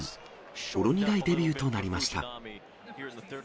ほろ苦いデビューとなりました。